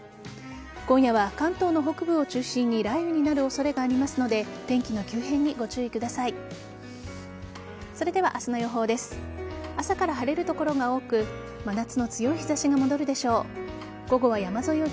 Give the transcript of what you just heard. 今夜は関東の北部を中心に雷雨になる恐れがありますので天気の急変にご注意ください。